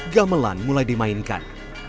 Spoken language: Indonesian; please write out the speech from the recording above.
gamelan mulai dimainkan